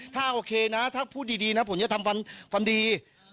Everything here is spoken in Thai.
ถ้าโอเคนะผู้ดีผมจะทำฟันดี